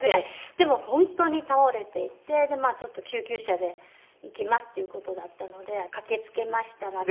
でも本当に倒れていてちょっと救急車で行きますっていう事だったので駆けつけましたらば。